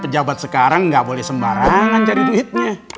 pejabat sekarang nggak boleh sembarangan cari duitnya